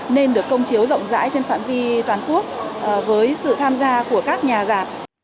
nên được công chiếu rộng rãi trên phạm vi toàn quốc với sự tham gia của các nhà giả